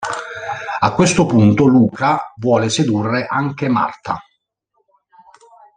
A questo punto Luca vuole sedurre anche Martha.